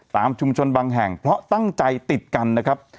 ตามชุมชนบางแห่งเพราะตั้งใจติดกันนะครับ